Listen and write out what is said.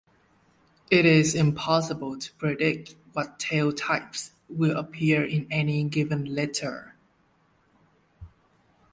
It is impossible to predict what tail types will appear in any given litter.